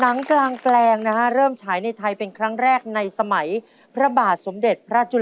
หนังกลางแปลงนะฮะเริ่มฉายในไทยเป็นครั้งแรกในสมัยพระบาทสมเด็จพระจุล